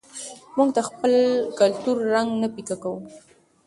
موږ د خپل کلتور رنګ نه پیکه کوو.